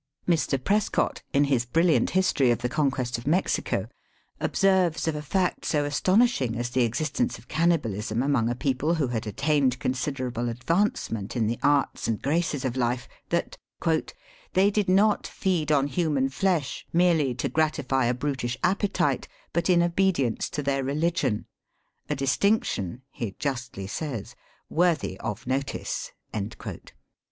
MR. PRESCOTT, in his brilliant history of the Conquest of Mexico, observes of a fact so astonishing as the existence of cannibalism among a people who had attained considerable advancement in the arts and graces of life, that " they did not feed on human flesh merely to gratify a brutish appe tite, but in obedience to their religion — a distinction," he justly says, " worthy of notice."